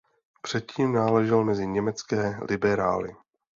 Předtím náležel mezi německé liberály.